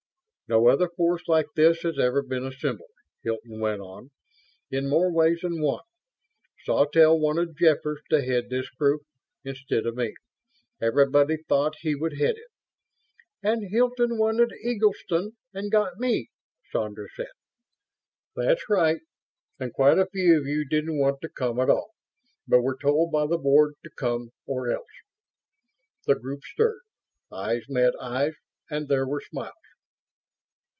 "No other force like this has ever been assembled," Hilton went on. "In more ways than one. Sawtelle wanted Jeffers to head this group, instead of me. Everybody thought he would head it." "And Hilton wanted Eggleston and got me," Sandra said. "That's right. And quite a few of you didn't want to come at all, but were told by the Board to come or else." The group stirred. Eyes met eyes, and there were smiles.